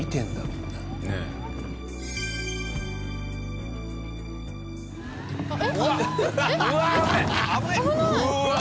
うわ！